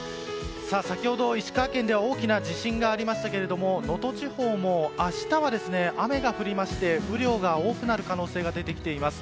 先ほど石川県では大きな地震がありましたけれども能登地方も明日は雨が降りまして雨量が多くなる可能性が出てきています。